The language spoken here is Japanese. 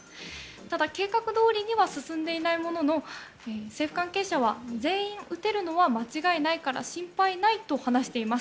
ただ、計画どおりには進んでいないものの政府関係者は全員打てるのは間違いないから心配ないと話しています。